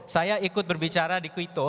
saya ikut berbicara di kuito